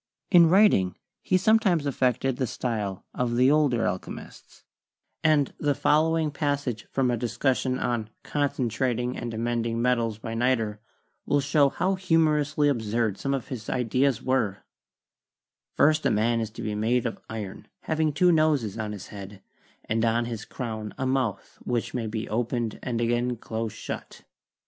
In writing he sometimes affected the style of the older alchemists, and the following passage from a discussion on "concentrating and amending metals by niter" will show how humorously absurd some of his ideas were : "First a man is to be made of iron, having two noses on his head, and on his crown a mouth which may be opened and again close shut.